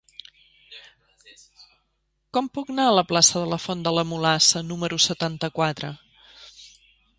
Com puc anar a la plaça de la Font de la Mulassa número setanta-quatre?